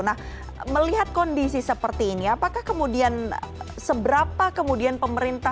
nah melihat kondisi seperti ini apakah kemudian seberapa kemudian pemerintah